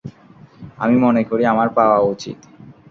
আমি মনে করি, আমার পাওয়া উচিত।